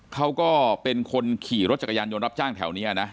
เขาก็เป็นคนขี่รถจักรยานยนต์รับจ้างแถวนี้นะ